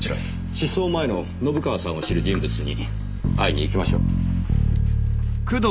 失踪前の信川さんを知る人物に会いに行きましょう。